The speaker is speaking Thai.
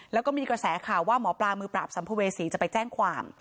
แล้วก็มีกระแสข่าวว่าหมอปลามือปราบสัมภเวษีจะไปแจ้งความ